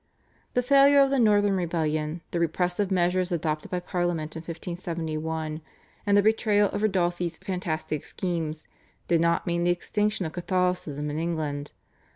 The failure of the northern rebellion, the repressive measures adopted by Parliament in 1571, and the betrayal of Ridolfi's fantastic schemes, did not mean the extinction of Catholicism in England.